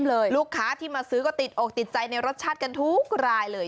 เลยลูกค้าที่มาซื้อก็ติดอกติดใจในรสชาติกันทุกรายเลย